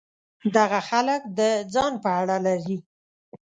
دغه خلک د ځان په اړه لري.